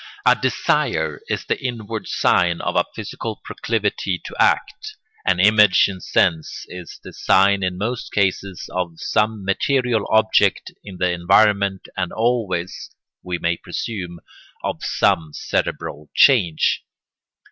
A desire is the inward sign of a physical proclivity to act, an image in sense is the sign in most cases of some material object in the environment and always, we may presume, of some cerebral change.